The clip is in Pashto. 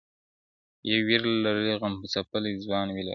• يو وير لـــړلي غمـــځپــلي ځــــوان ويـــــلــــه راتــــــــــه.